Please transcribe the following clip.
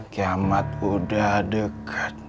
kiamat udah deket